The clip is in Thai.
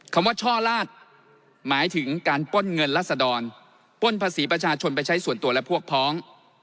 คำว่าช่อลาดหมายถึงการป้นเงินรัศดรป้นภาษีประชาชนไปใช้ส่วนตัวและพวกพ้อง